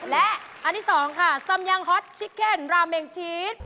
และอันที่๒ค่ะสำยังฮอตชิเก็นราเมงชีส